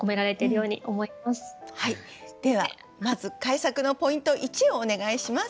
ではまず改作のポイント１をお願いします。